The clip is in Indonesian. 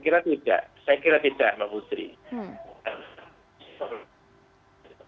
saya kira tidak saya kira tidak mbak putri